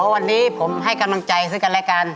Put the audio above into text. อ๋อวันนี้ผมให้กำลังใจซื้อกันรายการ